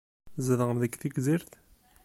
Tzedɣem deg Tegzirt?